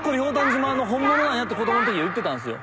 島の本物なんやって子供のとき言ってたんすよ。